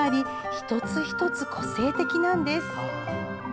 一つ一つ個性的なんです。